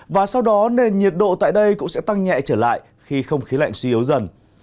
và sau đó nền nhiệt độ tại đây cũng sẽ tăng nhẹ trở lại khi không khí lạnh suy yếu dần